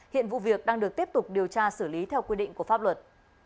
hiện vụ việc đang được tiếp tục điều tra xử lý theo quy định của pháp luật